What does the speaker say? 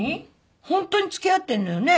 ホントに付き合ってんのよね？